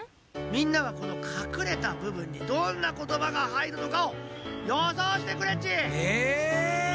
みんなはこのかくれたぶぶんにどんな言葉がはいるのかをよそうしてくれっち！